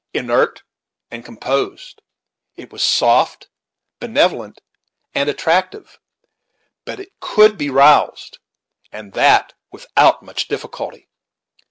Inert and composed, it was soft, benevolent, and attractive; but it could be roused, and that without much difficulty.